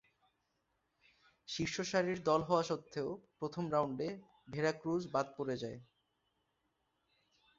শীর্ষসারির দল হওয়া সত্ত্বেও, প্রথম রাউন্ডে ভেরাক্রুজ বাদ পড়ে যায়।